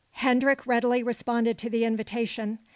Hendrik readily responded to the invitation.